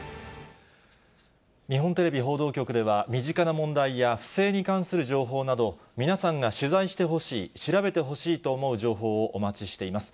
日本テレビ報道局では、身近な問題や不正に関する情報など、皆さんが取材してほしい、調べてほしいと思う情報をお待ちしています。